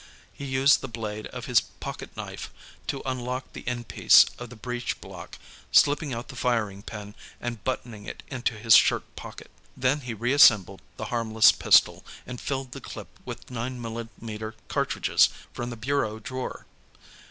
He used the blade of his pocketknife to unlock the endpiece of the breechblock, slipping out the firing pin and buttoning it into his shirt pocket. Then he reassembled the harmless pistol, and filled the clip with 9 millimeter cartridges from the bureau drawer.